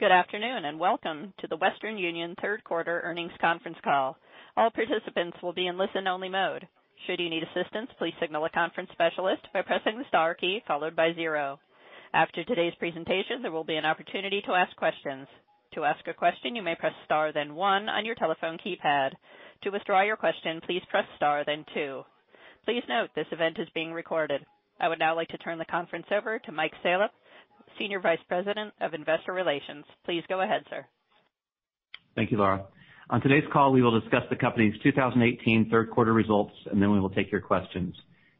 Good afternoon, and welcome to the Western Union third quarter earnings conference call. All participants will be in listen-only mode. Should you need assistance, please signal a conference specialist by pressing the star key followed by zero. After today's presentation, there will be an opportunity to ask questions. To ask a question, you may press star then one on your telephone keypad. To withdraw your question, please press star then two. Please note, this event is being recorded. I would now like to turn the conference over to Mike Salop, Senior Vice President of Investor Relations. Please go ahead, sir. Thank you, Laura. On today's call, we will discuss the company's 2018 third quarter results. Then we will take your questions.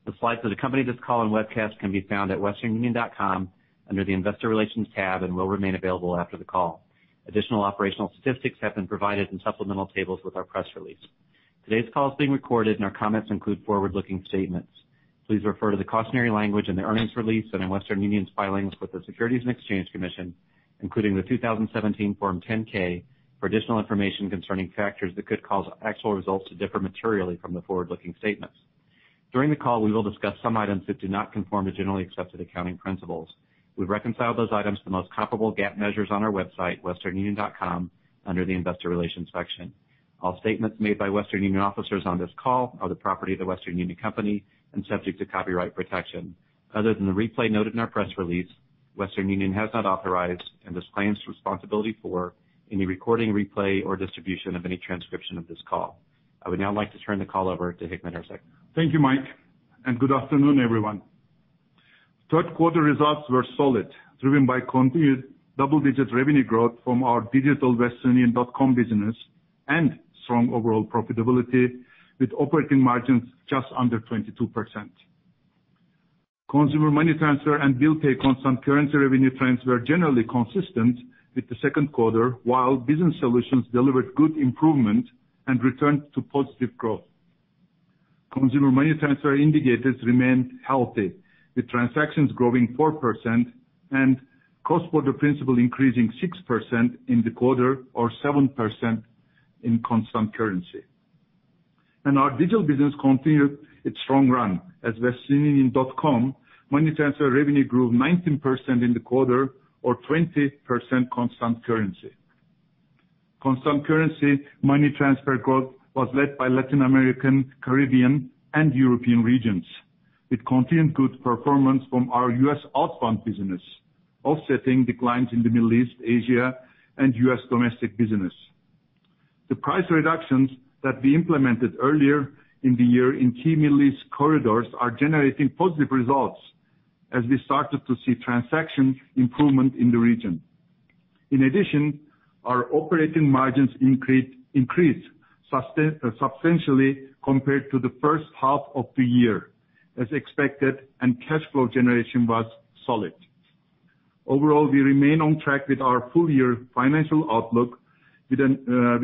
The slides that accompany this call and webcast can be found at westernunion.com under the investor relations tab and will remain available after the call. Additional operational statistics have been provided in supplemental tables with our press release. Today's call is being recorded. Our comments include forward-looking statements. Please refer to the cautionary language in the earnings release and in Western Union's filings with the Securities and Exchange Commission, including the 2017 Form 10-K for additional information concerning factors that could cause actual results to differ materially from the forward-looking statements. During the call, we will discuss some items that do not conform to generally accepted accounting principles. We reconcile those items to the most comparable GAAP measures on our website, westernunion.com, under the investor relations section. All statements made by Western Union officers on this call are the property of The Western Union Company and subject to copyright protection. Other than the replay noted in our press release, Western Union has not authorized and disclaims responsibility for any recording, replay, or distribution of any transcription of this call. I would now like to turn the call over to Hikmet Ersek. Thank you, Mike. Good afternoon, everyone. Third quarter results were solid, driven by continued double-digit revenue growth from our digital westernunion.com business and strong overall profitability with operating margins just under 22%. Consumer Money Transfer and bill pay constant currency revenue trends were generally consistent with the second quarter, while Business Solutions delivered good improvement and returned to positive growth. Consumer Money Transfer indicators remain healthy, with transactions growing 4% and cost for the principal increasing 6% in the quarter or 7% in constant currency. Our digital business continued its strong run as westernunion.com money transfer revenue grew 19% in the quarter or 20% constant currency. Constant currency money transfer growth was led by Latin American, Caribbean, and European regions, with continued good performance from our U.S. outbound business offsetting declines in the Middle East, Asia, and U.S. domestic business. The price reductions that we implemented earlier in the year in key Middle East corridors are generating positive results as we started to see transaction improvement in the region. In addition, our operating margins increased substantially compared to the first half of the year as expected, and cash flow generation was solid. Overall, we remain on track with our full-year financial outlook with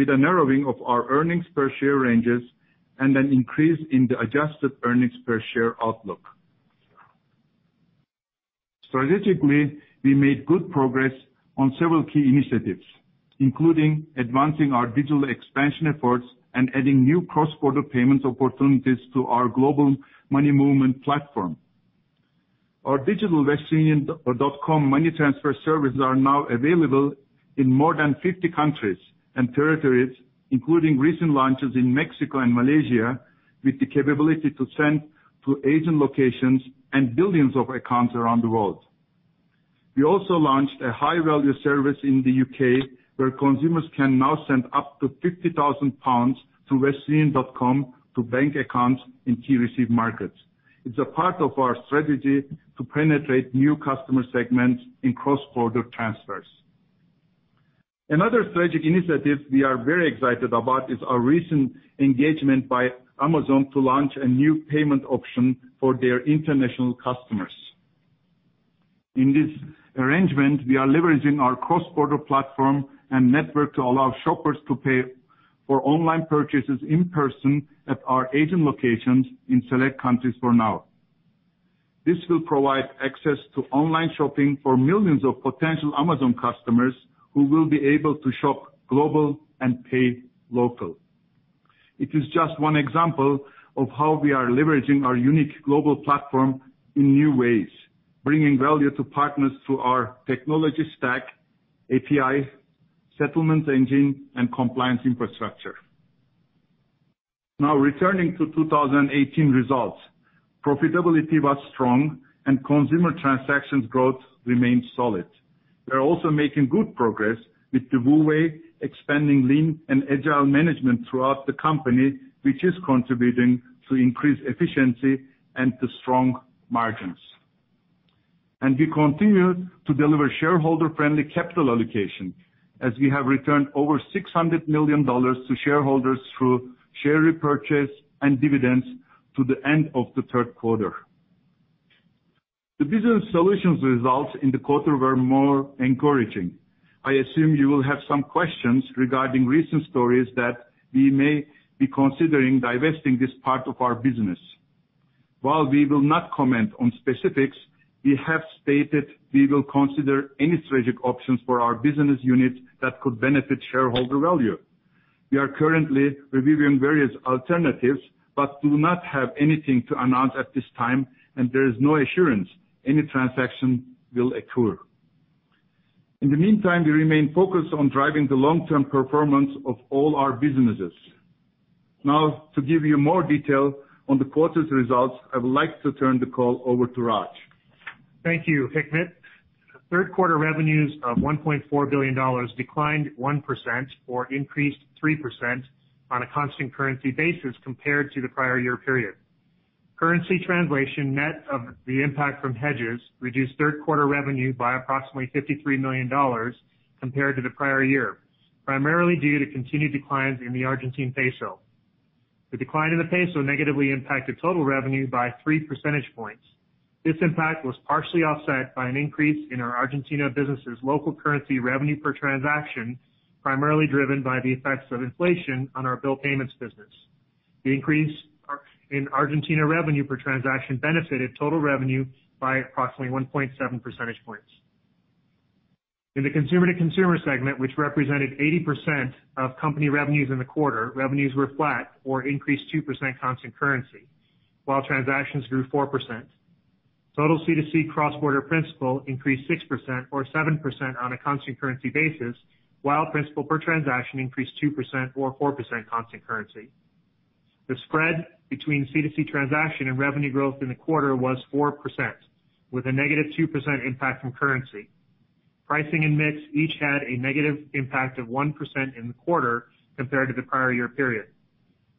a narrowing of our earnings per share ranges and an increase in the adjusted earnings per share outlook. Strategically, we made good progress on several key initiatives, including advancing our digital expansion efforts and adding new cross-border payment opportunities to our global money movement platform. Our digital westernunion.com money transfer services are now available in more than 50 countries and territories, including recent launches in Mexico and Malaysia, with the capability to send to agent locations and billions of accounts around the world. We also launched a high-value service in the U.K. where consumers can now send up to £50,000 through westernunion.com to bank accounts in key receive markets. It's a part of our strategy to penetrate new customer segments in cross-border transfers. Another strategic initiative we are very excited about is our recent engagement by Amazon to launch a new payment option for their international customers. In this arrangement, we are leveraging our cross-border platform and network to allow shoppers to pay for online purchases in person at our agent locations in select countries for now. This will provide access to online shopping for millions of potential Amazon customers who will be able to shop global and pay local. It is just one example of how we are leveraging our unique global platform in new ways, bringing value to partners through our technology stack, API, settlement engine, and compliance infrastructure. Now returning to 2018 results. Profitability was strong and consumer transactions growth remained solid. We are also making good progress with the WU Way expanding lean and agile management throughout the company, which is contributing to increased efficiency and to strong margins. We continue to deliver shareholder-friendly capital allocation as we have returned over $600 million to shareholders through share repurchase and dividends to the end of the third quarter. The Business Solutions results in the quarter were more encouraging. I assume you will have some questions regarding recent stories that we may be considering divesting this part of our business. While we will not comment on specifics, we have stated we will consider any strategic options for our business unit that could benefit shareholder value. We are currently reviewing various alternatives but do not have anything to announce at this time, and there is no assurance any transaction will occur. In the meantime, we remain focused on driving the long-term performance of all our businesses. Now, to give you more detail on the quarter's results, I would like to turn the call over to Raj. Thank you, Hikmet. Third quarter revenues of $1.4 billion declined 1% or increased 3% on a constant currency basis compared to the prior year period. Currency translation net of the impact from hedges reduced third quarter revenue by approximately $53 million compared to the prior year. Primarily due to continued declines in the Argentine peso. The decline in the peso negatively impacted total revenue by three percentage points. This impact was partially offset by an increase in our Argentina business' local currency revenue per transaction, primarily driven by the effects of inflation on our bill payments business. The increase in Argentina revenue per transaction benefited total revenue by approximately 1.7 percentage points. In the consumer-to-consumer segment, which represented 80% of company revenues in the quarter, revenues were flat or increased 2% constant currency, while transactions grew 4%. Total C2C cross-border principal increased 6% or 7% on a constant currency basis, while principal per transaction increased 2% or 4% constant currency. The spread between C2C transaction and revenue growth in the quarter was 4%, with a negative 2% impact from currency. Pricing and mix each had a negative impact of 1% in the quarter compared to the prior year period.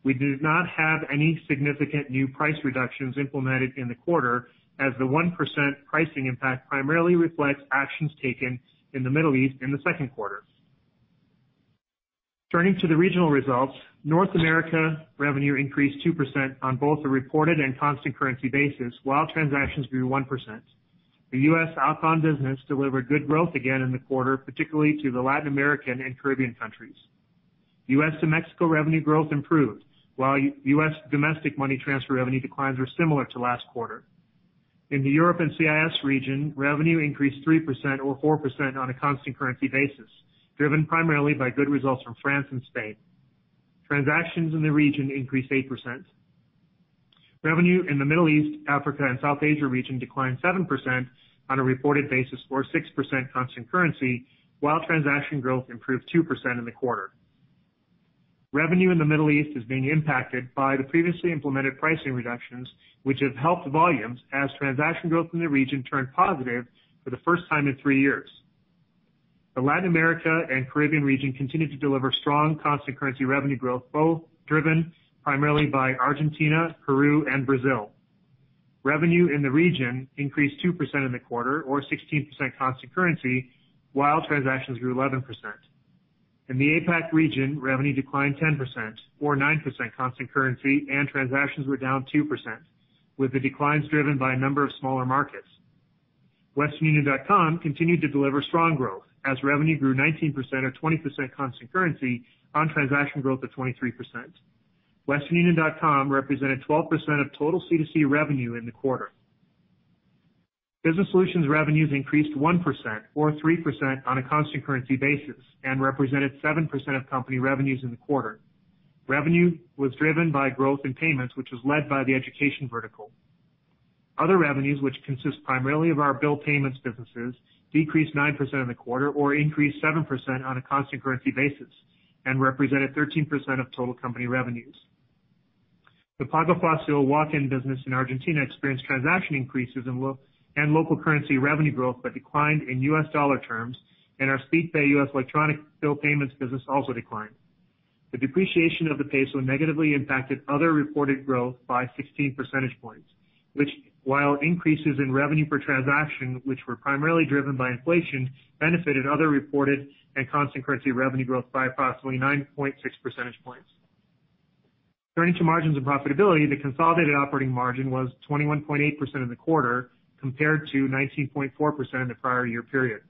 We do not have any significant new price reductions implemented in the quarter, as the 1% pricing impact primarily reflects actions taken in the Middle East in the second quarter. Turning to the regional results, North America revenue increased 2% on both a reported and constant currency basis, while transactions grew 1%. The U.S. outbound business delivered good growth again in the quarter, particularly to the Latin American and Caribbean countries. U.S. to Mexico revenue growth improved, while U.S. domestic money transfer revenue declines were similar to last quarter. In the Europe and CIS region, revenue increased 3% or 4% on a constant currency basis, driven primarily by good results from France and Spain. Transactions in the region increased 8%. Revenue in the Middle East, Africa, and South Asia region declined 7% on a reported basis or 6% constant currency, while transaction growth improved 2% in the quarter. Revenue in the Middle East is being impacted by the previously implemented pricing reductions, which have helped volumes as transaction growth in the region turned positive for the first time in three years. The Latin America and Caribbean region continued to deliver strong constant currency revenue growth, both driven primarily by Argentina, Peru, and Brazil. Revenue in the region increased 2% in the quarter or 16% constant currency, while transactions grew 11%. In the APAC region, revenue declined 10% or 9% constant currency and transactions were down 2%, with the declines driven by a number of smaller markets. westernunion.com continued to deliver strong growth as revenue grew 19% or 20% constant currency on transaction growth of 23%. westernunion.com represented 12% of total C2C revenue in the quarter. Business Solutions revenues increased 1% or 3% on a constant currency basis and represented 7% of company revenues in the quarter. Revenue was driven by growth in payments, which was led by the education vertical. Other revenues, which consist primarily of our bill payments businesses, decreased 9% in the quarter or increased 7% on a constant currency basis and represented 13% of total company revenues. The Pago Fácil walk-in business in Argentina experienced transaction increases and local currency revenue growth but declined in U.S. dollar terms, and our Speedpay U.S. electronic bill payments business also declined. The depreciation of the peso negatively impacted other reported growth by 16 percentage points, which while increases in revenue per transaction, which were primarily driven by inflation, benefited other reported and constant currency revenue growth by approximately 9.6 percentage points. Turning to margins and profitability, the consolidated operating margin was 21.8% in the quarter compared to 19.4% in the prior year period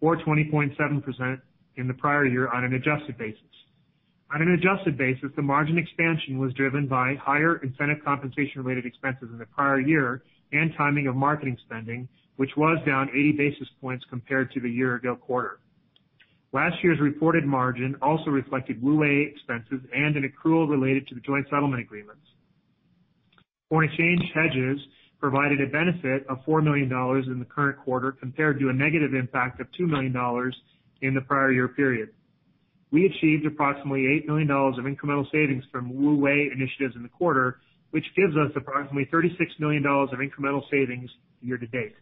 or 20.7% in the prior year on an adjusted basis. On an adjusted basis, the margin expansion was driven by higher incentive compensation-related expenses in the prior year and timing of marketing spending, which was down 80 basis points compared to the year ago quarter. Last year's reported margin also reflected WU Way expenses and an accrual related to the joint settlement agreements. Foreign exchange hedges provided a benefit of $4 million in the current quarter compared to a negative impact of $2 million in the prior year period. We achieved approximately $8 million of incremental savings from WU Way initiatives in the quarter, which gives us approximately $36 million of incremental savings year-to-date.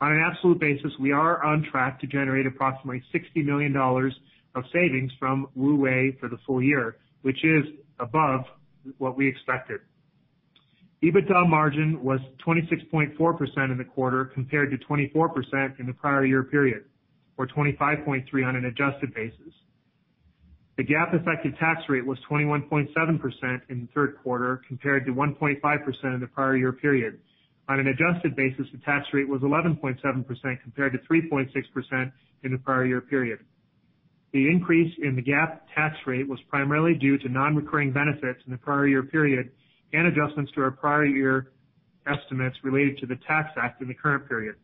On an absolute basis, we are on track to generate approximately $60 million of savings from WU Way for the full year, which is above what we expected. EBITDA margin was 26.4% in the quarter compared to 24% in the prior year period or 25.3% on an adjusted basis. The GAAP effective tax rate was 21.7% in the third quarter compared to 1.5% in the prior year period. On an adjusted basis, the tax rate was 11.7% compared to 3.6% in the prior year period. The increase in the GAAP tax rate was primarily due to non-recurring benefits in the prior year period and adjustments to our prior year estimates related to the Tax Act in the current period.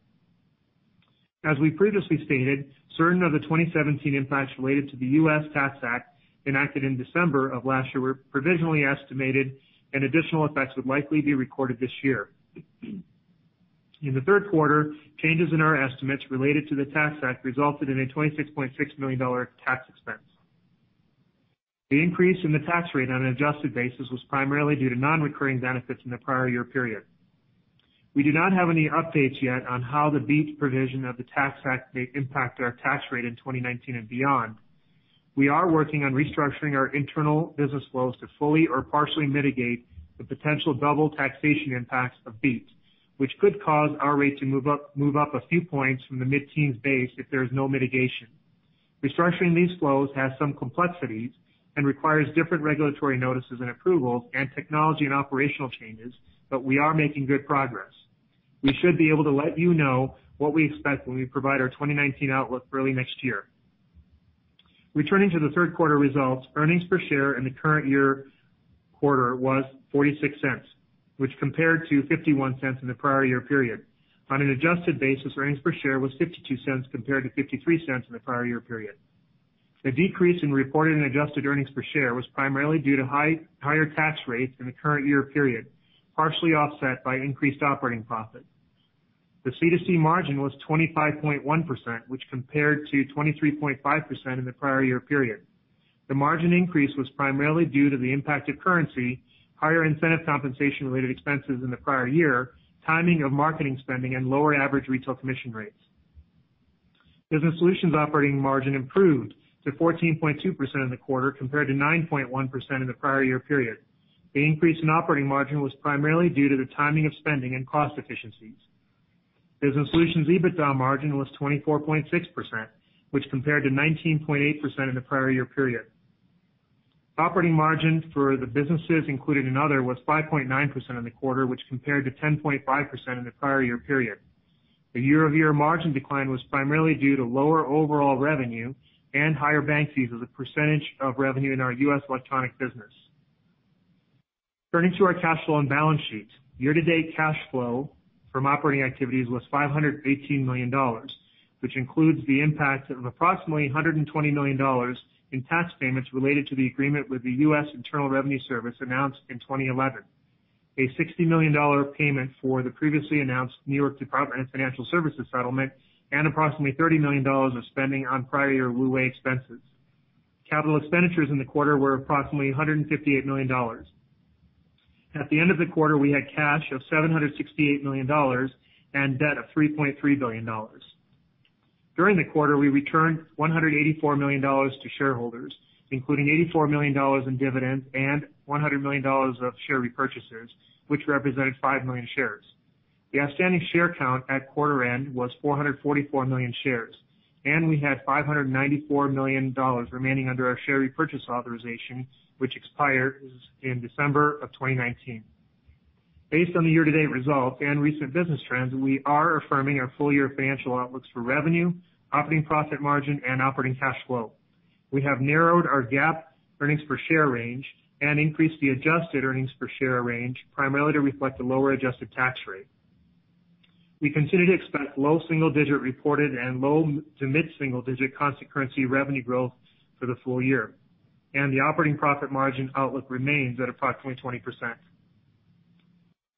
As we previously stated, certain of the 2017 impacts related to the U.S. Tax Act enacted in December of last year were provisionally estimated and additional effects would likely be recorded this year. In the third quarter, changes in our estimates related to the Tax Act resulted in a $26.6 million tax expense. The increase in the tax rate on an adjusted basis was primarily due to non-recurring benefits in the prior year period. We do not have any updates yet on how the BEAT provision of the Tax Act may impact our tax rate in 2019 and beyond. We are working on restructuring our internal business flows to fully or partially mitigate the potential double taxation impacts of BEAT, which could cause our rate to move up a few points from the mid-teens base if there is no mitigation. Restructuring these flows has some complexities and requires different regulatory notices and approvals and technology and operational changes, but we are making good progress. We should be able to let you know what we expect when we provide our 2019 outlook early next year. Returning to the third quarter results, earnings per share in the current year quarter was $0.46, which compared to $0.51 in the prior year period. On an adjusted basis, earnings per share was $0.52 compared to $0.53 in the prior year period. The decrease in reported and adjusted earnings per share was primarily due to higher tax rates in the current year period, partially offset by increased operating profit. The C2C margin was 25.1%, which compared to 23.5% in the prior year period. The margin increase was primarily due to the impact of currency, higher incentive compensation related expenses in the prior year, timing of marketing spending, and lower average retail commission rates. Business Solutions operating margin improved to 14.2% in the quarter compared to 9.1% in the prior year period. The increase in operating margin was primarily due to the timing of spending and cost efficiencies. Business Solutions EBITDA margin was 24.6%, which compared to 19.8% in the prior year period. Operating margin for the businesses included in other was 5.9% in the quarter, which compared to 10.5% in the prior year period. The year-over-year margin decline was primarily due to lower overall revenue and higher bank fees as a percentage of revenue in our U.S. electronic business. Turning to our cash flow and balance sheet. Year-to-date cash flow from operating activities was $518 million, which includes the impact of approximately $120 million in tax payments related to the agreement with the U.S. Internal Revenue Service announced in 2011. A $60 million payment for the previously announced New York Department of Financial Services settlement and approximately $30 million of spending on prior year WU Way expenses. Capital expenditures in the quarter were approximately $158 million. At the end of the quarter, we had cash of $768 million and debt of $3.3 billion. During the quarter, we returned $184 million to shareholders, including $84 million in dividends and $100 million of share repurchases, which represented 5 million shares. The outstanding share count at quarter end was 444 million shares, and we had $594 million remaining under our share repurchase authorization, which expires in December of 2019. Based on the year-to-date results and recent business trends, we are affirming our full-year financial outlooks for revenue, operating profit margin, and operating cash flow. We have narrowed our GAAP earnings per share range and increased the adjusted earnings per share range primarily to reflect the lower adjusted tax rate. We continue to expect low single-digit reported and low to mid single-digit constant currency revenue growth for the full year. And the operating profit margin outlook remains at approximately 20%.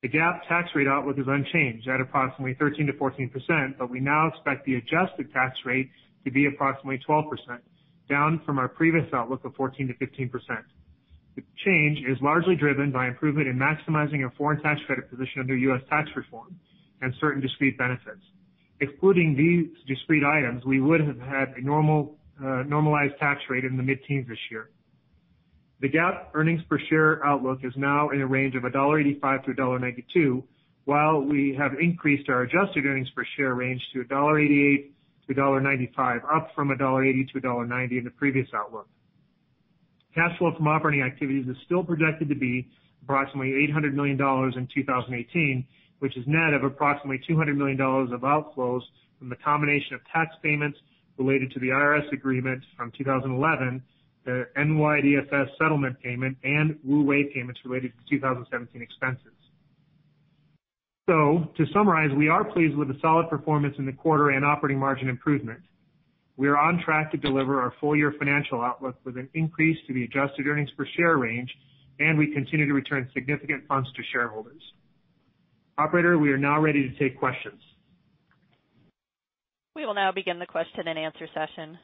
The GAAP tax rate outlook is unchanged at approximately 13%-14%, but we now expect the adjusted tax rate to be approximately 12%, down from our previous outlook of 14%-15%. The change is largely driven by improvement in maximizing our foreign tax credit position under U.S. tax reform and certain discrete benefits. Excluding these discrete items, we would have had a normalized tax rate in the mid-teens this year. The GAAP earnings per share outlook is now in a range of $1.85-$1.92. While we have increased our adjusted earnings per share range to $1.88-$1.95, up from $1.80-$1.90 in the previous outlook. Cash flow from operating activities is still projected to be approximately $800 million in 2018, which is net of approximately $200 million of outflows from the combination of tax payments related to the IRS agreement from 2011, the NYDFS settlement payment, and WU Way payments related to 2017 expenses. To summarize, we are pleased with the solid performance in the quarter and operating margin improvement. We are on track to deliver our full-year financial outlook with an increase to the adjusted earnings per share range. We continue to return significant funds to shareholders. Operator, we are now ready to take questions. We will now begin the question and answer session.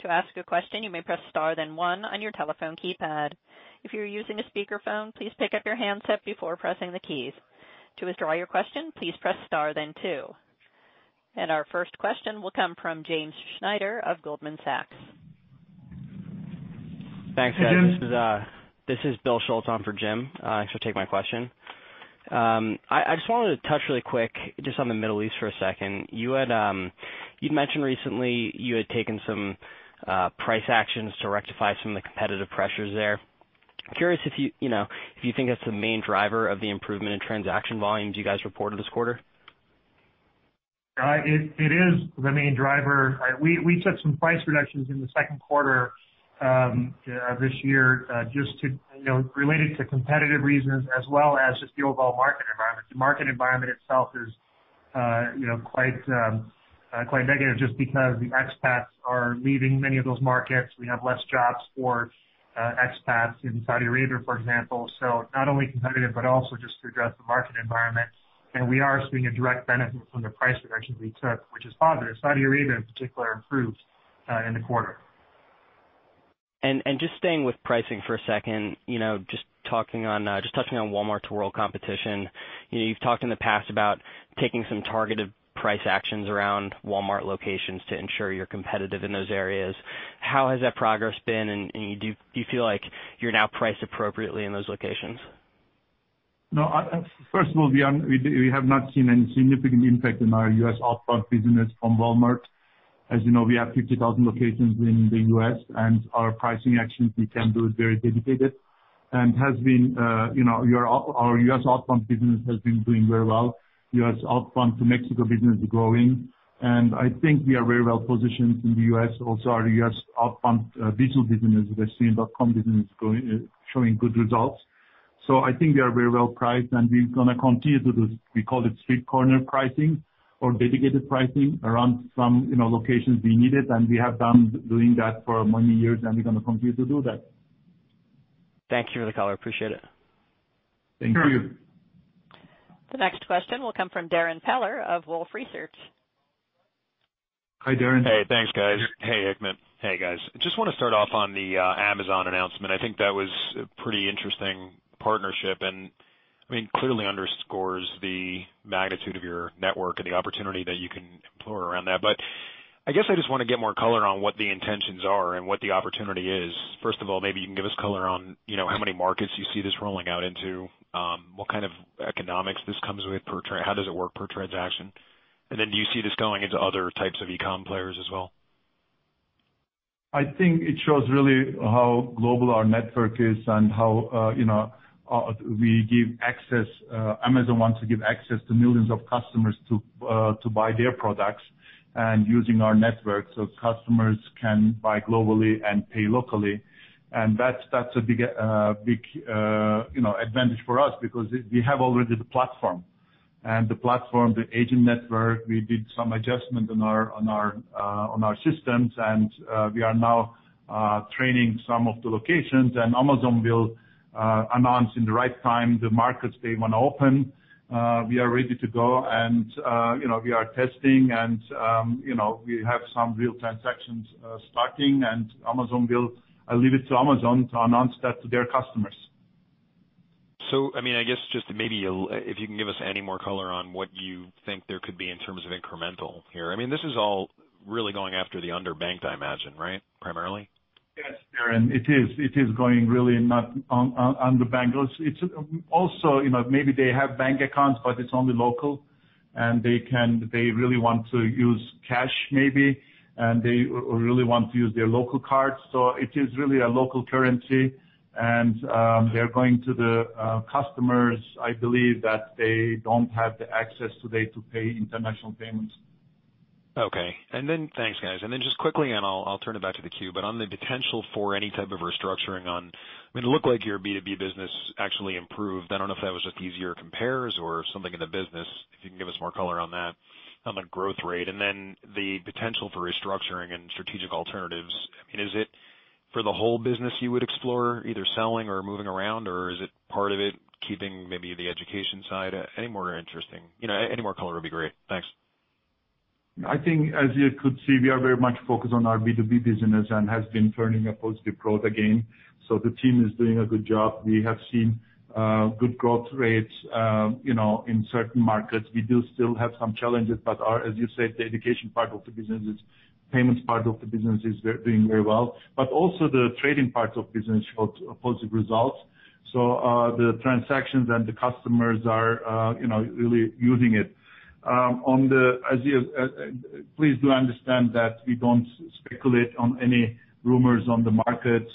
To ask a question, you may press star then one on your telephone keypad. If you're using a speakerphone, please pick up your handset before pressing the keys. To withdraw your question, please press star then two. Our first question will come from James Snyder of Goldman Sachs. Thanks. Jim? This is Bill Schultz on for Jim. Thanks for taking my question. I just wanted to touch really quick just on the Middle East for a second. You'd mentioned recently you had taken some price actions to rectify some of the competitive pressures there. Curious if you think that's the main driver of the improvement in transaction volumes you guys reported this quarter? It is the main driver. We took some price reductions in the second quarter of this year related to competitive reasons as well as just the overall market environment. The market environment itself is quite negative just because the expats are leaving many of those markets. We have less jobs for expats in Saudi Arabia, for example. Not only competitive, but also just to address the market environment. We are seeing a direct benefit from the price reductions we took, which is positive. Saudi Arabia, in particular, improved in the quarter. Just staying with pricing for a second, just touching on Walmart2World competition. You've talked in the past about taking some targeted price actions around Walmart locations to ensure you're competitive in those areas. How has that progress been, and do you feel like you're now priced appropriately in those locations? No. First of all, we have not seen any significant impact in our U.S. outbound business from Walmart. As you know, we have 50,000 locations in the U.S., and our pricing actions we can do is very dedicated. Our U.S. outbound business has been doing very well. U.S. outbound to Mexico business is growing. I think we are very well positioned in the U.S. Also, our U.S. outbound digital business, we are seeing dotcom business showing good results. I think we are very well priced, and we're going to continue to do, we call it street corner pricing or dedicated pricing around some locations we needed, and we have done doing that for many years, and we're going to continue to do that. Thank you for the color. Appreciate it. Thank you. Thank you. The next question will come from Darrin Peller of Wolfe Research. Hi, Darrin. Hey. Thanks, guys. Hey, Hikmet. Hey, guys. Just want to start off on the Amazon announcement. I think that was a pretty interesting partnership, and clearly underscores the magnitude of your network and the opportunity that you can explore around that. I guess I just want to get more color on what the intentions are and what the opportunity is. First of all, maybe you can give us color on how many markets you see this rolling out into, what kind of economics this comes with per trade, how does it work per transaction? Then do you see this going into other types of e-com players as well? I think it shows really how global our network is and how we give access. Amazon wants to give access to millions of customers to buy their products and using our network so customers can buy globally and pay locally. That's a big advantage for us because we have already the platform. The platform, the agent network, we did some adjustment on our systems, and we are now training some of the locations, and Amazon will announce in the right time the markets they want to open. We are ready to go, and we are testing, and we have some real transactions starting, and I leave it to Amazon to announce that to their customers. I guess just maybe if you can give us any more color on what you think there could be in terms of incremental here. This is all really going after the underbanked, I imagine, right? Primarily. Yes, Darrin. It is going really not on underbanked. Also, maybe they have bank accounts, but it's only local, and they really want to use cash maybe, and they really want to use their local cards. It is really a local currency, and they're going to the customers, I believe, that they don't have the access today to pay international payments. Okay. Thanks, guys. Just quickly, and I'll turn it back to the queue, but on the potential for any type of restructuring on-- It looked like your B2B business actually improved. I don't know if that was just easier compares or something in the business, if you can give us more color on that, on the growth rate, and then the potential for restructuring and strategic alternatives. Is it for the whole business you would explore, either selling or moving around, or is it part of it keeping maybe the education side any more interesting? Any more color would be great. Thanks. I think as you could see, we are very much focused on our B2B business and has been turning a positive growth again. The team is doing a good job. We have seen good growth rates in certain markets. We do still have some challenges, but as you said, the education part of the business, payments part of the business is doing very well. Also the trading part of business showed positive results. The transactions and the customers are really using it. Please do understand that we don't speculate on any rumors on the markets.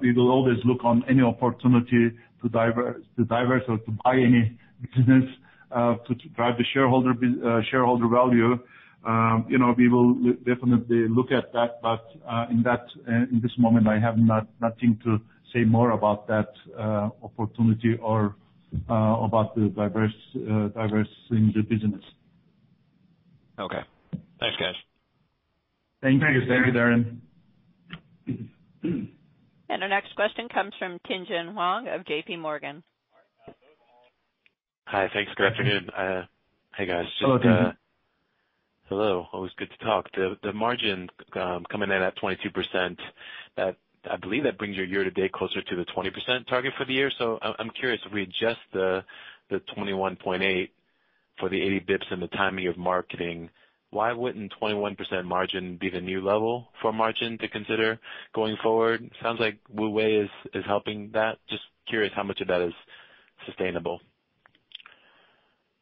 We will always look on any opportunity to divest or to buy any business to drive the shareholder value. We will definitely look at that. In this moment, I have nothing to say more about that opportunity or about the divesting the business. Thanks, guys. Thank you, Darren. Our next question comes from Tien-Tsin Huang of JPMorgan. Hi. Thanks, Good afternoon. Hey, guys. Hello, Tien-Tsin. Hello. Always good to talk. The margin coming in at 22%, I believe that brings your year to date closer to the 20% target for the year. I'm curious if we adjust the 21.8% for the 80 basis points and the timing of marketing, why wouldn't 21% margin be the new level for margin to consider going forward? Sounds like WU Way is helping that. Just curious how much of that is sustainable.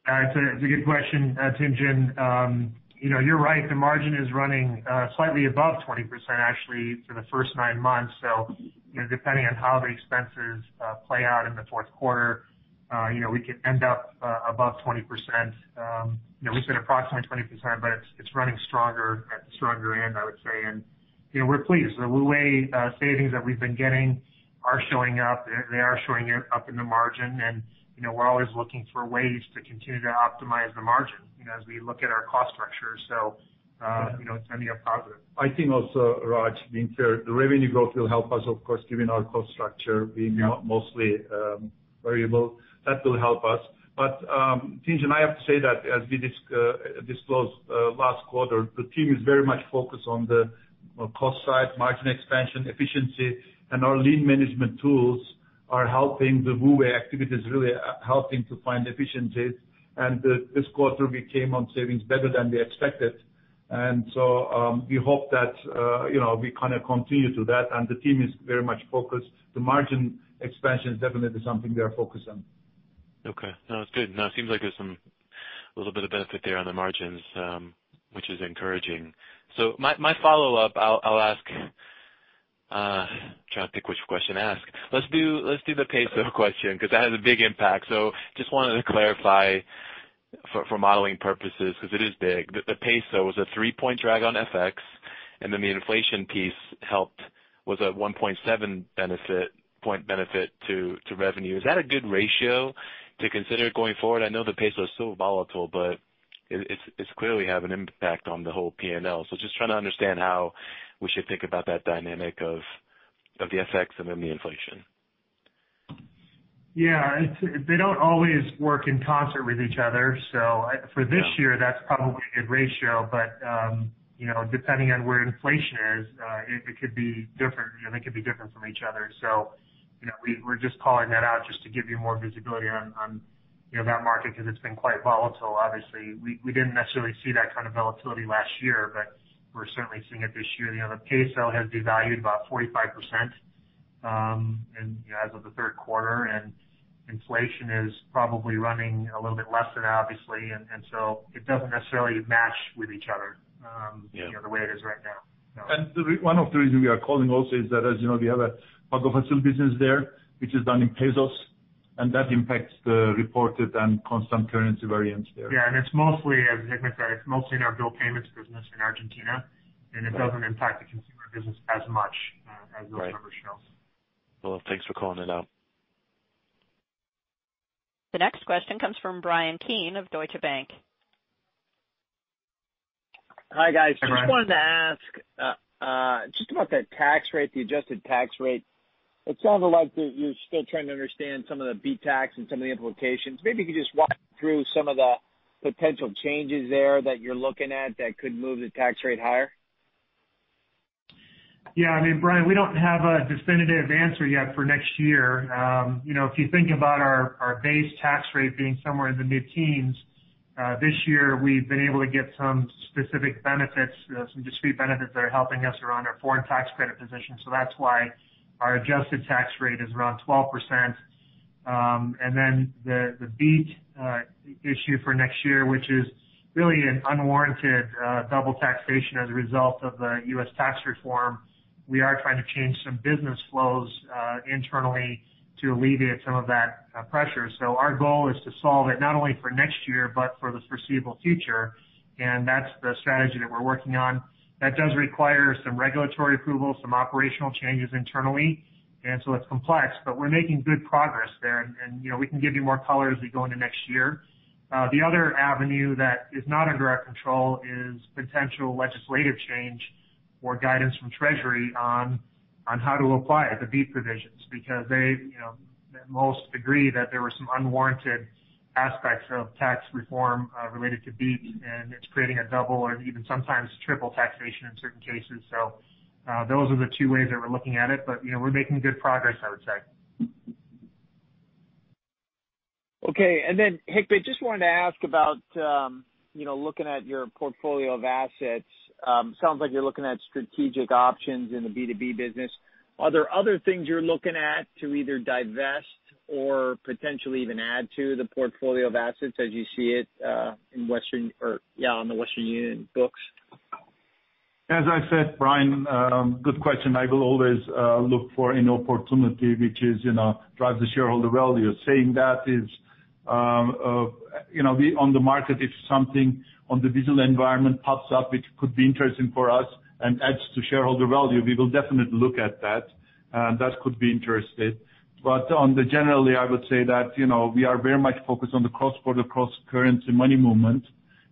It's a good question, Tien-Tsin. You're right, the margin is running slightly above 20%, actually, for the first nine months. Depending on how the expenses play out in the fourth quarter, we could end up above 20%. We said approximately 20%, but it's running stronger at the stronger end, I would say. We're pleased. The WU Way savings that we've been getting are showing up. They are showing up in the margin, and we're always looking for ways to continue to optimize the margin as we look at our cost structure. It's ending up positive. I think also, Raj, being clear, the revenue growth will help us, of course, given our cost structure being mostly variable. That will help us. Tien-Tsin, and I have to say that as we disclosed last quarter, the team is very much focused on the cost side, margin expansion, efficiency, and our lean management tools are helping the WU Way activities, really helping to find efficiencies. This quarter, we came on savings better than we expected. We hope that we continue to do that. The team is very much focused. The margin expansion is definitely something they are focused on. Okay. No, it's good. No, it seems like there's a little bit of benefit there on the margins, which is encouraging. My follow-up, I'll ask Trying to think which question to ask. Let's do the peso question, because that has a big impact. Just wanted to clarify for modeling purposes, because it is big. The peso was a three-point drag on FX, and then the inflation piece helped, was a 1.7 point benefit to revenue. Is that a good ratio to consider going forward? I know the peso is so volatile, but it clearly have an impact on the whole P&L. Just trying to understand how we should think about that dynamic of the FX and then the inflation. Yeah. They don't always work in concert with each other. For this year, that's probably a good ratio, but depending on where inflation is, they could be different from each other. We're just calling that out just to give you more visibility on that market because it's been quite volatile. Obviously, we didn't necessarily see that kind of volatility last year, but we're certainly seeing it this year. The peso has devalued about 45% as of the third quarter, and inflation is probably running a little bit less than obviously. It doesn't necessarily match with each other the way it is right now. One of the reasons we are calling also is that as you know, we have a part of a business there which is done in pesos, and that impacts the reported and constant currency variance there. Yeah. As Hikmet said, it's mostly in our bill payments business in Argentina, it doesn't impact the consumer business as much as those numbers show. Well, thanks for calling it out. The next question comes from Bryan Keane of Deutsche Bank. Hi, guys. Just wanted to ask about that tax rate, the adjusted tax rate. It sounds like you're still trying to understand some of the BEAT tax and some of the implications. Maybe you could just walk through some of the potential changes there that you're looking at that could move the tax rate higher. Yeah. Bryan, we don't have a definitive answer yet for next year. If you think about our base tax rate being somewhere in the mid-teens, this year we've been able to get some specific benefits, some discrete benefits that are helping us around our foreign tax credit position. That's why our adjusted tax rate is around 12%. The BEAT issue for next year, which is really an unwarranted double taxation as a result of the U.S. tax reform. We are trying to change some business flows internally to alleviate some of that pressure. Our goal is to solve it not only for next year but for the foreseeable future. That's the strategy that we're working on. That does require some regulatory approval, some operational changes internally. It's complex, but we're making good progress there. We can give you more color as we go into next year. The other avenue that is not in direct control is potential legislative change or guidance from Treasury on how to apply the BEAT provisions because they most agree that there were some unwarranted aspects of tax reform related to BEAT, and it's creating a double or even sometimes triple taxation in certain cases. Those are the two ways that we're looking at it. We're making good progress, I would say. Okay. Hikmet, just wanted to ask about looking at your portfolio of assets. Sounds like you're looking at strategic options in the B2B business. Are there other things you're looking at to either divest or potentially even add to the portfolio of assets as you see it on the Western Union books? As I said, Bryan, good question. I will always look for an opportunity which drives the shareholder value. Saying that is on the market, if something on the digital environment pops up which could be interesting for us and adds to shareholder value, we will definitely look at that. That could be interesting. Generally, I would say that we are very much focused on the cross-border, cross-currency money movement.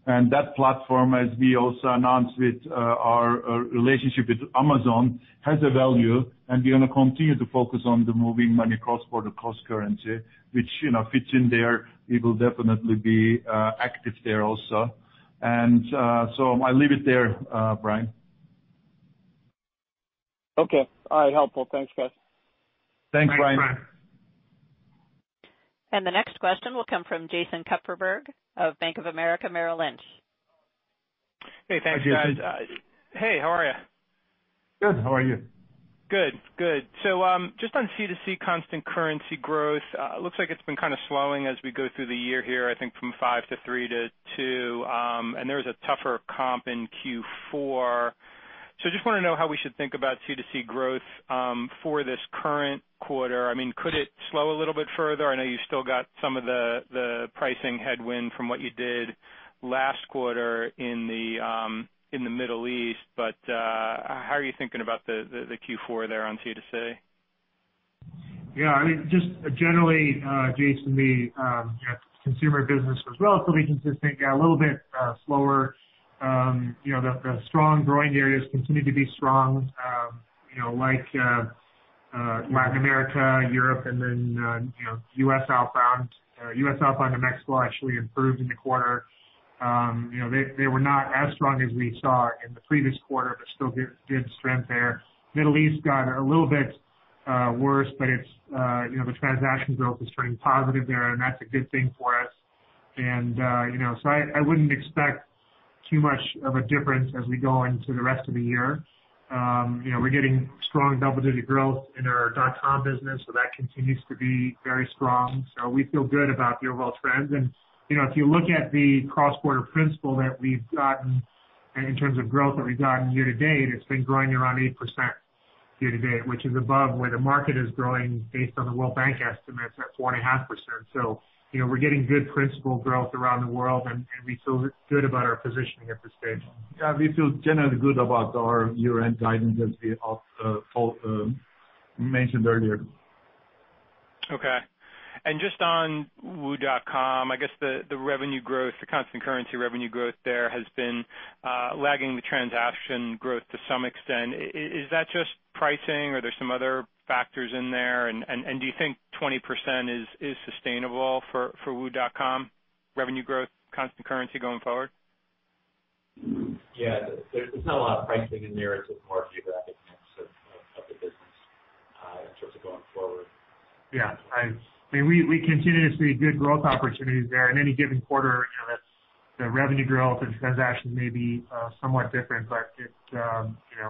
That platform, as we also announced with our relationship with Amazon, has a value, and we're going to continue to focus on the moving money cross-border, cross-currency, which fits in there. We will definitely be active there also. So I leave it there, Bryan. Okay. All right. Helpful. Thanks, guys. Thanks, Bryan. Thanks, Bryan. The next question will come from Jason Kupferberg of Bank of America Merrill Lynch. Thanks, guys. How are you? Good. How are you? Good. Just on C2C constant currency growth, looks like it's been kind of slowing as we go through the year here, I think from 5% to 3% to 2%. There's a tougher comp in Q4. Just want to know how we should think about C2C growth for this current quarter. Could it slow a little bit further? I know you still got some of the pricing headwind from what you did last quarter in the Middle East, but how are you thinking about the Q4 there on C2C? Just generally, Jason, the consumer business was relatively consistent. A little bit slower. The strong growing areas continue to be strong like Latin America, Europe, and U.S. outbound. U.S. outbound to Mexico actually improved in the quarter. They were not as strong as we saw in the previous quarter, but still good strength there. Middle East got a little bit worse, but the transaction growth is turning positive there, and that's a good thing for us. I wouldn't expect too much of a difference as we go into the rest of the year. We're getting strong double-digit growth in our westernunion.com business, that continues to be very strong. We feel good about the overall trends. If you look at the cross-border principal that we've gotten in terms of growth that we've gotten year-to-date, it's been growing around 8% year-to-date, which is above where the market is growing based on the World Bank estimates at 4.5%. We're getting good principal growth around the world, and we feel good about our positioning at this stage. We feel generally good about our year-end guidance as we mentioned earlier. Just on westernunion.com, I guess the revenue growth, the constant currency revenue growth there has been lagging the transaction growth to some extent. Is that just pricing, or there's some other factors in there? Do you think 20% is sustainable for westernunion.com revenue growth, constant currency going forward? There's not a lot of pricing in there. It's more geographic mix of the business in terms of going forward. I mean, we continue to see good growth opportunities there. In any given quarter, the revenue growth and transactions may be somewhat different.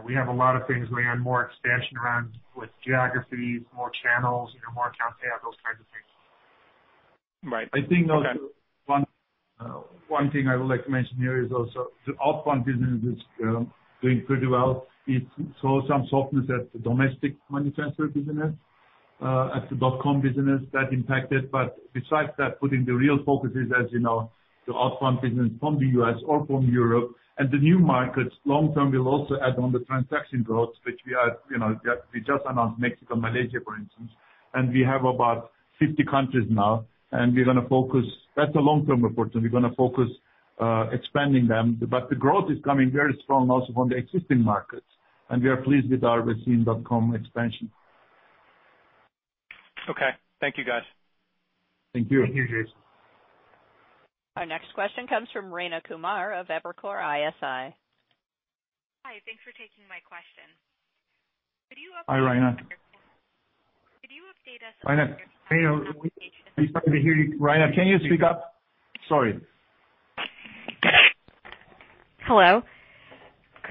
We have a lot of things going on, more expansion around with geographies, more channels, more accounts payable, those kinds of things. Right. Okay. I think one thing I would like to mention here is also the outbound business is doing pretty well. It saw some softness at the domestic money transfer business, at the westernunion.com business that impacted. Besides that, putting the real focuses, as you know, to outbound business from the U.S. or from Europe. The new markets long term will also add on the transaction growth, which we just announced Mexico, Malaysia, for instance. We have about 50 countries now, and we're going to focus. That's a long-term report, and we're going to focus expanding them. The growth is coming very strong also from the existing markets, and we are pleased with our receive westernunion.com expansion. Okay. Thank you, guys. Thank you. Thank you, Jason. Our next question comes from Rayna Kumar of Evercore ISI. Hi. Thanks for taking my question. Could you update us- Hi, Rayna. Could you update us? Rayna. Rayna, we can't hear you. Rayna, can you speak up? Sorry. Hello.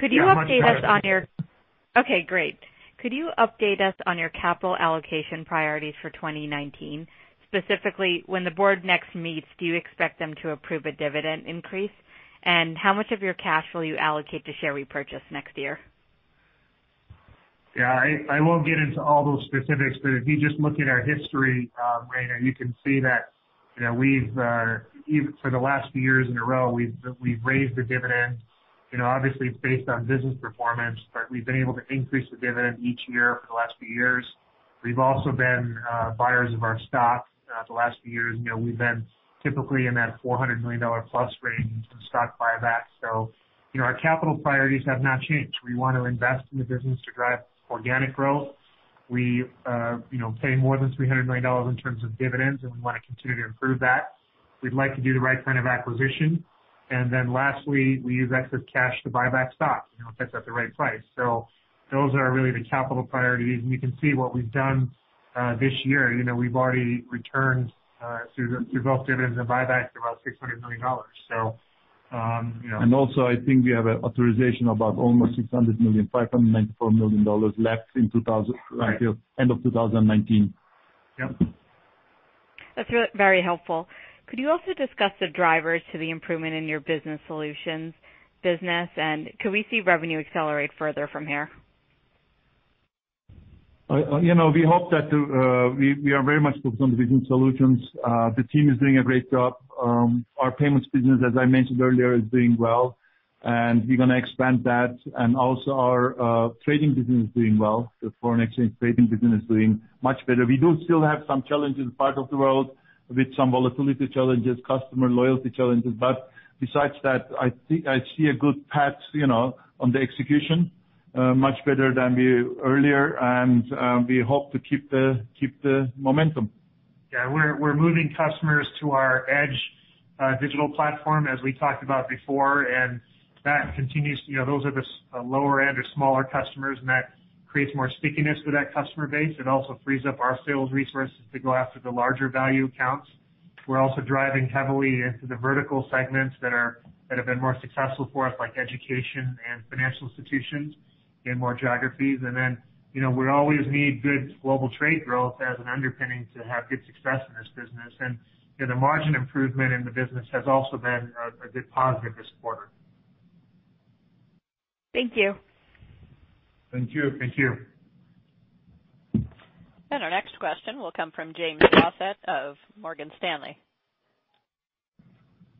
Could you update us on your- Yeah, much better. Okay, great. Could you update us on your capital allocation priorities for 2019? Specifically, when the board next meets, do you expect them to approve a dividend increase? How much of your cash will you allocate to share repurchase next year? Yeah. I won't get into all those specifics. If you just look at our history, Rayna, you can see that for the last few years in a row, we've raised the dividend. Obviously, it's based on business performance. We've been able to increase the dividend each year for the last few years. We've also been buyers of our stock the last few years. We've been typically in that $400 million plus range in stock buyback. Our capital priorities have not changed. We want to invest in the business to drive organic growth. We pay more than $300 million in terms of dividends. We want to continue to improve that. We'd like to do the right kind of acquisition. Lastly, we use excess cash to buy back stock, if that's at the right price. Those are really the capital priorities, and you can see what we've done this year. We've already returned through both dividends and buybacks, about $600 million. Also, I think we have an authorization of about almost $600 million, $594 million. Right end of 2019 Yep. That's very helpful. Could you also discuss the drivers to the improvement in your Business Solutions business, and could we see revenue accelerate further from here? We hope that we are very much focused on the Business Solutions. The team is doing a great job. Our payments business, as I mentioned earlier, is doing well, we're going to expand that. Also, our trading business is doing well. The foreign exchange trading business is doing much better. We do still have some challenges, part of the world with some volatility challenges, customer loyalty challenges. Besides that, I see a good path on the execution, much better than earlier, and we hope to keep the momentum. Yeah. We're moving customers to our WU EDGE digital platform, as we talked about before, that continues. Those are the lower end or smaller customers, that creates more stickiness with that customer base. It also frees up our sales resources to go after the larger value accounts. We're also driving heavily into the vertical segments that have been more successful for us, like education and financial institutions in more geographies. Then, we always need good global trade growth as an underpinning to have good success in this business. The margin improvement in the business has also been a good positive this quarter. Thank you. Thank you. Thank you. Our next question will come from James Faucette of Morgan Stanley.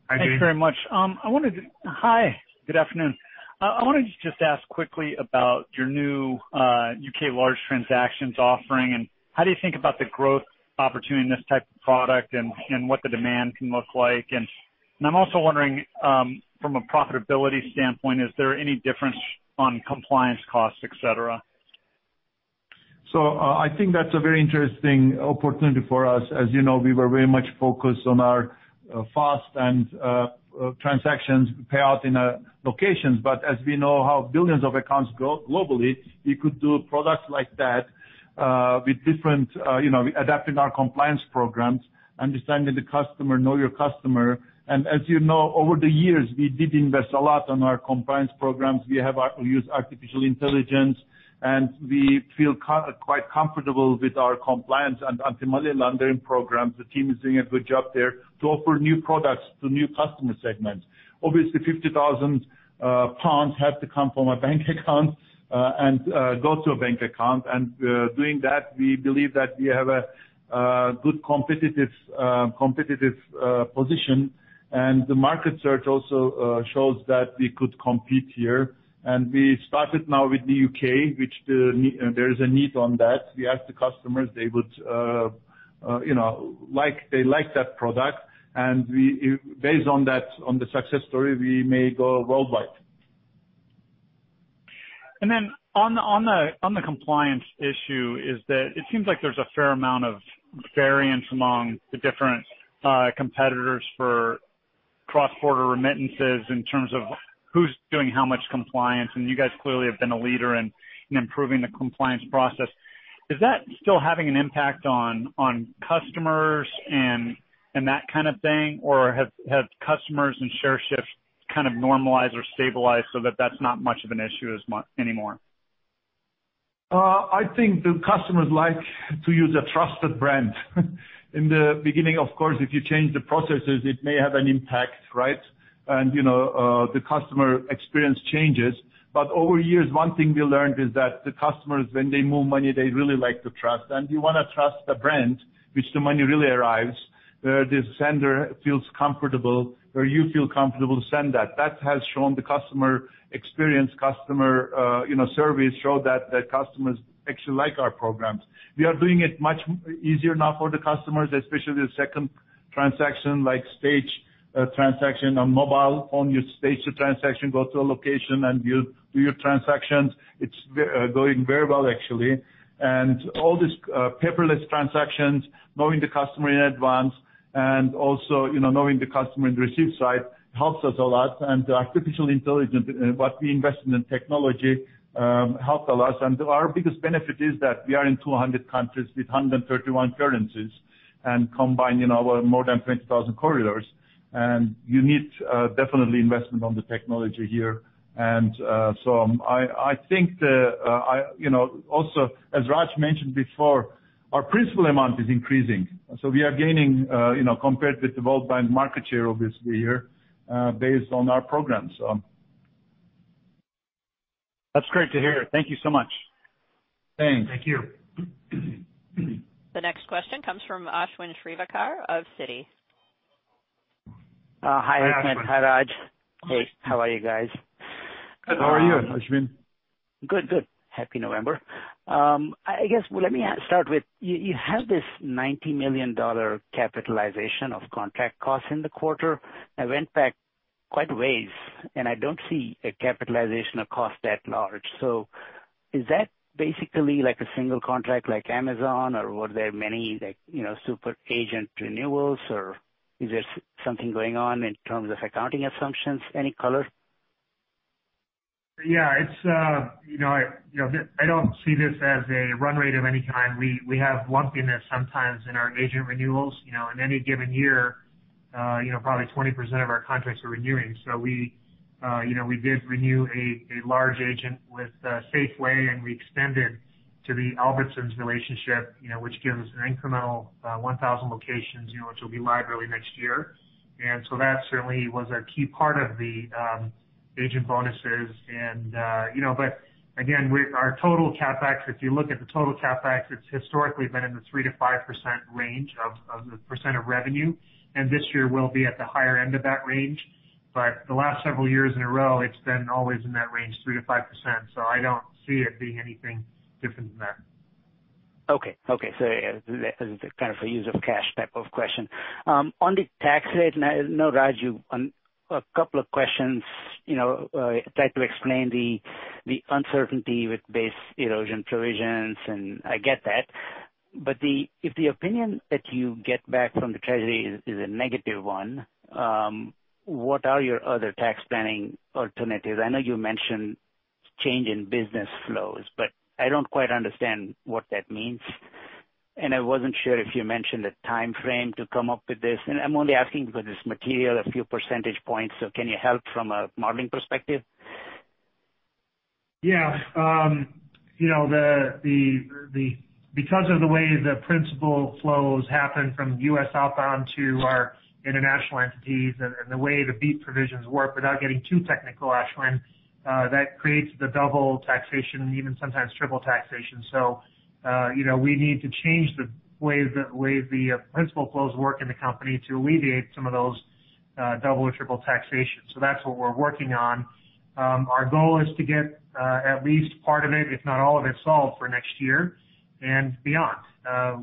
Thanks very much. Hi, good afternoon. I wanted to just ask quickly about your new U.K. large transactions offering, how do you think about the growth opportunity in this type of product and what the demand can look like? I'm also wondering from a profitability standpoint, is there any difference on compliance costs, et cetera? I think that's a very interesting opportunity for us. As you know, we were very much focused on our fast and transactions payout in locations. But as we know how billions of accounts grow globally, we could do products like that with adapting our compliance programs, understanding the customer, know your customer. As you know, over the years, we did invest a lot on our compliance programs. We use artificial intelligence, we feel quite comfortable with our compliance and anti-money laundering programs. The team is doing a good job there to offer new products to new customer segments. Obviously, 50,000 pounds have to come from a bank account and go to a bank account. Doing that, we believe that we have a good competitive position. The market search also shows that we could compete here. We started now with the U.K., which there is a need on that. We asked the customers, they like that product. Based on the success story, we may go worldwide. On the compliance issue is that it seems like there's a fair amount of variance among the different competitors for cross-border remittances in terms of who's doing how much compliance. You guys clearly have been a leader in improving the compliance process. Is that still having an impact on customers and that kind of thing, or have customers and share shifts kind of normalized or stabilized so that that's not much of an issue anymore? I think the customers like to use a trusted brand. In the beginning, of course, if you change the processes, it may have an impact, right? The customer experience changes. Over years, one thing we learned is that the customers, when they move money, they really like to trust. You want to trust a brand, which the money really arrives, where the sender feels comfortable, where you feel comfortable to send that. That has shown the customer experience. Customer service show that customers actually like our programs. We are doing it much easier now for the customers, especially the second transaction, like stage transaction on mobile phone. You stage the transaction, go to a location, and you do your transactions. It's going very well, actually. All these paperless transactions, knowing the customer in advance, and also knowing the customer in the receive side helps us a lot. Artificial intelligence, what we invest in technology helped a lot. Our biggest benefit is that we are in 200 countries with 131 currencies and combining our more than 20,000 corridors. You need definitely investment on the technology here. I think also as Raj mentioned before, our principal amount is increasing. We are gaining compared with the worldwide market share, obviously here based on our programs. That's great to hear. Thank you so much. Thanks. Thank you. The next question comes from Ashwin Shirvaikar of Citi. Hi, Ashwin. Hi, Ashwin. Hi, Raj. Hey, how are you guys? Good. How are you, Ashwin? Good. Happy November. I guess, well, let me start with you have this $90 million capitalization of contract costs in the quarter. I went back quite ways, and I don't see a capitalization of cost that large. Is that basically like a single contract like Amazon, or were there many super agent renewals, or is there something going on in terms of accounting assumptions? Any color? I don't see this as a run rate of any kind. We have lumpiness sometimes in our agent renewals. In any given year probably 20% of our contracts are renewing. We did renew a large agent with Safeway, and we extended to the Albertsons relationship which gives an incremental 1,000 locations which will be live early next year. That certainly was a key part of the agent bonuses. Again, our total CapEx, if you look at the total CapEx, it's historically been in the 3%-5% range of the % of revenue, and this year will be at the higher end of that range. The last several years in a row, it's been always in that range, 3%-5%. I don't see it being anything different than that. Okay. Yeah, that is kind of a use of cash type of question. On the tax rate, I know, Raj, a couple of questions, try to explain the uncertainty with base erosion provisions, and I get that. If the opinion that you get back from the Treasury is a negative one, what are your other tax planning alternatives? I know you mentioned change in business flows, but I don't quite understand what that means. I wasn't sure if you mentioned a timeframe to come up with this. I'm only asking because it's material, a few percentage points. Can you help from a modeling perspective? Yeah. Because of the way the principal flows happen from U.S. outbound to our international entities and the way the BEAT provisions work, without getting too technical, Ashwin that creates the double taxation and even sometimes triple taxation. We need to change the way the principal flows work in the company to alleviate some of those double or triple taxation. That's what we're working on. Our goal is to get at least part of it, if not all of it, solved for next year and beyond.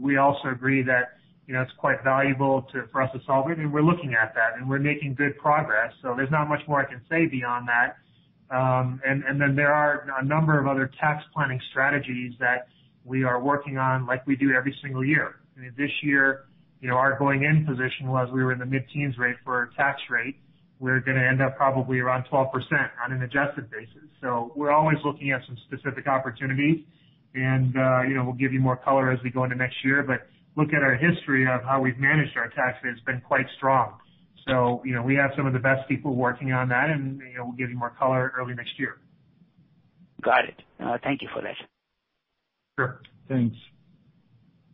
We also agree that it's quite valuable for us to solve it, and we're looking at that and we're making good progress. There's not much more I can say beyond that. Then there are a number of other tax planning strategies that we are working on, like we do every single year. This year, our going-in position was we were in the mid-teens rate for our tax rate. We're going to end up probably around 12% on an adjusted basis. We're always looking at some specific opportunities and we'll give you more color as we go into next year. Look at our history of how we've managed our tax rate, it's been quite strong. We have some of the best people working on that, and we'll give you more color early next year. Got it. Thank you for that. Sure. Thanks.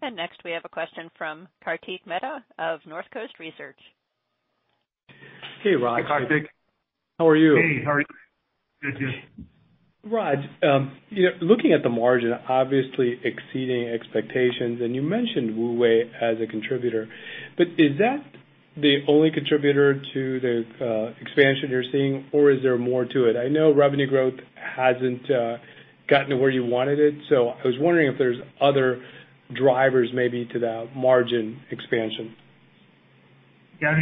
Next, we have a question from Kartik Mehta of Northcoast Research. Hey, Raj. Hi, Kartik. How are you? Hey, how are you? Good. Yeah. Raj, looking at the margin, obviously exceeding expectations. You mentioned WU Way as a contributor. Is that the only contributor to the expansion you're seeing, or is there more to it? I know revenue growth hasn't gotten to where you wanted it, I was wondering if there's other drivers maybe to the margin expansion. Yeah.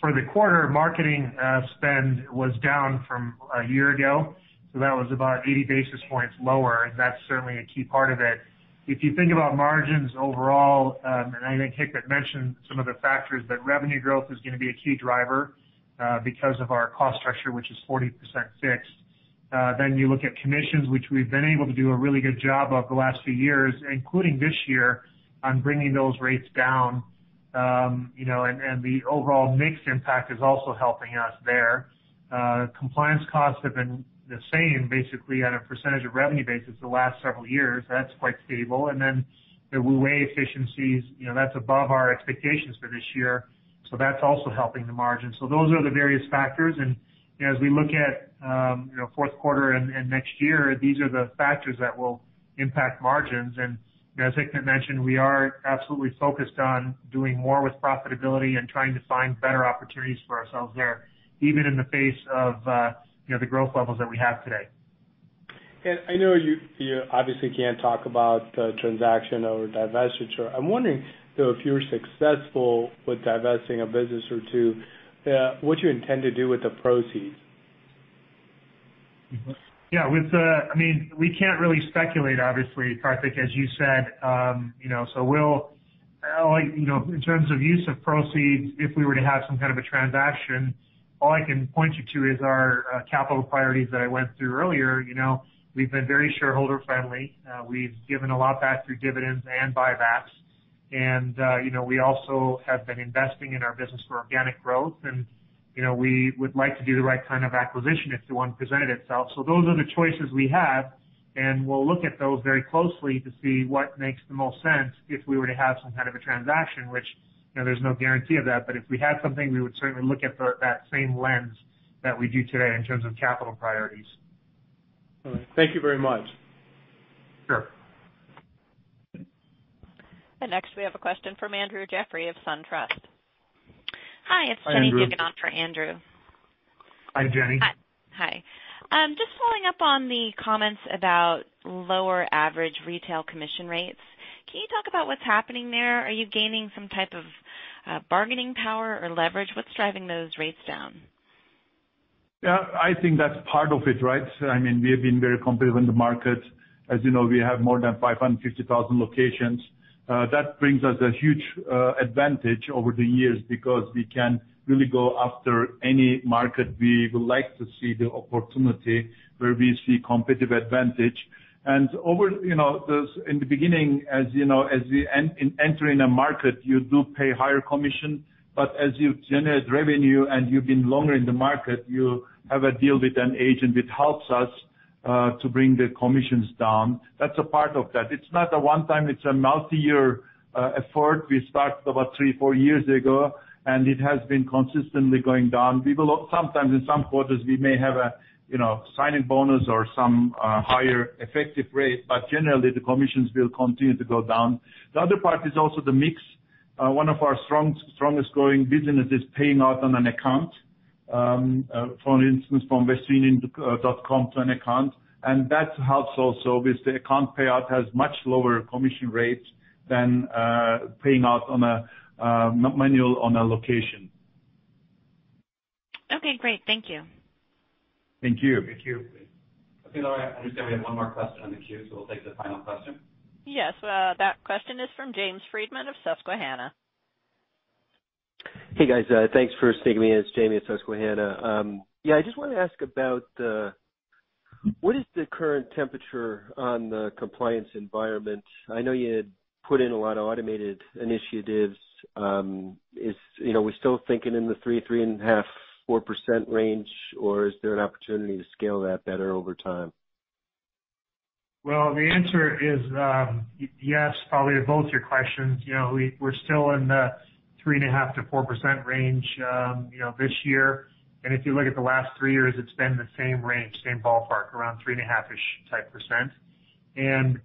For the quarter, marketing spend was down from a year ago. That was about 80 basis points lower. That's certainly a key part of it. If you think about margins overall, I think Hikmet mentioned some of the factors. Revenue growth is going to be a key driver because of our cost structure, which is 40% fixed. You look at commissions, which we've been able to do a really good job of the last few years, including this year, on bringing those rates down. The overall mix impact is also helping us there. Compliance costs have been the same, basically, at a percentage of revenue basis the last several years. That's quite stable. Then the WU Way efficiencies, that's above our expectations for this year, that's also helping the margin. Those are the various factors, as we look at fourth quarter and next year, these are the factors that will impact margins. As Hikmet mentioned, we are absolutely focused on doing more with profitability and trying to find better opportunities for ourselves there, even in the face of the growth levels that we have today. I know you obviously can't talk about the transaction or divestiture. I'm wondering, though, if you're successful with divesting a business or two, what do you intend to do with the proceeds? Yeah. We can't really speculate, obviously, Kartik, as you said. In terms of use of proceeds, if we were to have some kind of a transaction, all I can point you to is our capital priorities that I went through earlier. We've been very shareholder-friendly. We've given a lot back through dividends and buybacks. We also have been investing in our business for organic growth. We would like to do the right kind of acquisition if one presented itself. Those are the choices we have, and we'll look at those very closely to see what makes the most sense if we were to have some kind of a transaction, which there's no guarantee of that. If we had something, we would certainly look at through that same lens that we do today in terms of capital priorities. All right. Thank you very much. Sure. Next, we have a question from Andrew Jeffrey of SunTrust. Hi, it's Jenny picking up for Andrew. Hi, Jenny. Hi. Just following up on the comments about lower average retail commission rates. Can you talk about what's happening there? Are you gaining some type of bargaining power or leverage? What's driving those rates down? I think that's part of it, right? We have been very competitive in the market. As you know, we have more than 550,000 locations. That brings us a huge advantage over the years because we can really go after any market. We would like to see the opportunity where we see competitive advantage. In the beginning, as we enter in a market, you do pay higher commission, but as you generate revenue and you've been longer in the market, you have a deal with an agent. It helps us to bring the commissions down. That's a part of that. It's not a one-time, it's a multi-year effort. We started about three, four years ago, and it has been consistently going down. Sometimes in some quarters, we may have a sign-in bonus or some higher effective rate, but generally, the commissions will continue to go down. The other part is also the mix. One of our strongest growing business is paying out on an account. For instance, from westernunion.com to an account, that helps also because the account payout has much lower commission rates than paying out on a manual on a location. Okay, great. Thank you. Thank you. Thank you. Okay. Laura, I understand we have one more question in the queue, so we'll take the final question. Yes. That question is from James Friedman of Susquehanna. Hey, guys. Thanks for sticking me in. It's Jamie at Susquehanna. I just want to ask about what is the current temperature on the compliance environment? I know you had put in a lot of automated initiatives. Are we still thinking in the three and a half, 4% range, or is there an opportunity to scale that better over time? The answer is yes, probably to both your questions. We're still in the 3.5%-4% range this year. If you look at the last 3 years, it's been the same range, same ballpark, around 3.5-ish type percent.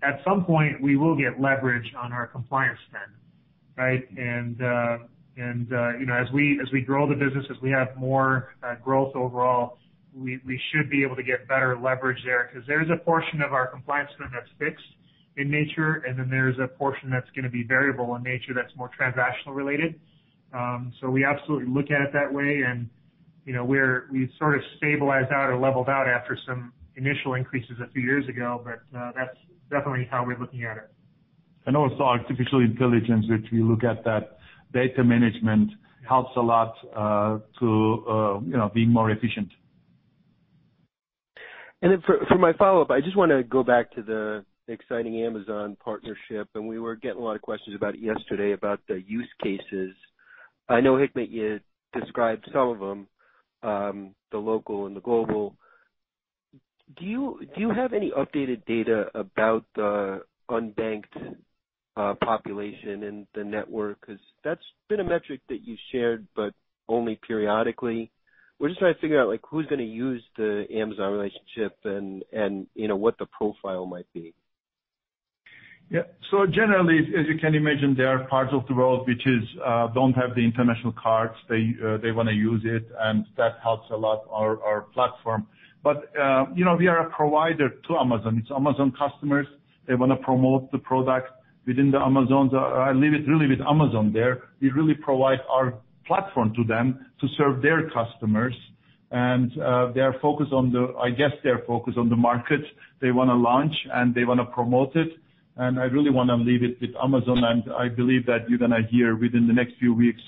At some point, we will get leverage on our compliance spend, right? As we grow the business, as we have more growth overall, we should be able to get better leverage there because there is a portion of our compliance spend that's fixed in nature, then there is a portion that's going to be variable in nature that's more transactional related. We absolutely look at it that way, and we've sort of stabilized out or leveled out after some initial increases a few years ago, that's definitely how we're looking at it. Also artificial intelligence, which we look at that data management helps a lot to be more efficient. For my follow-up, I just want to go back to the exciting Amazon partnership, we were getting a lot of questions about yesterday about the use cases. I know, Hikmet, you described some of them, the local and the global. Do you have any updated data about the unbanked population and the network? Because that's been a metric that you shared, but only periodically. We're just trying to figure out who's going to use the Amazon relationship and what the profile might be. Generally, as you can imagine, there are parts of the world which don't have the international cards. They want to use it, that helps a lot our platform. We are a provider to Amazon. It's Amazon customers. They want to promote the product within the Amazon. I leave it really with Amazon there. We really provide our platform to them to serve their customers, they are focused on the market they want to launch, and they want to promote it, I really want to leave it with Amazon. I believe that you're going to hear within the next few weeks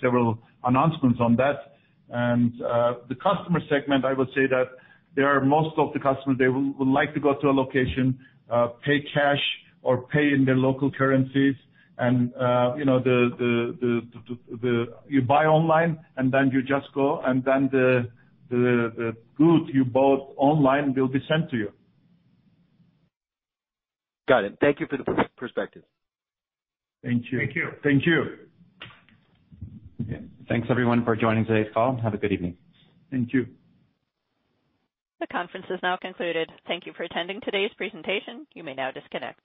several announcements on that. The customer segment, I would say that there are most of the customers, they would like to go to a location, pay cash, or pay in their local currencies. You buy online, and then you just go, and then the goods you bought online will be sent to you. Got it. Thank you for the perspective. Thank you. Thank you. Thank you. Okay, thanks everyone for joining today's call. Have a good evening. Thank you. The conference is now concluded. Thank you for attending today's presentation. You may now disconnect.